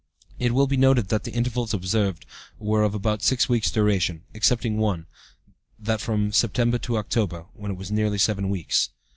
"It will be noted that the intervals observed were of about six weeks' duration, excepting one, that from September to October, when it was nearly seven weeks.